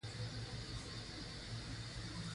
نورستان د افغانستان د طبیعت برخه ده.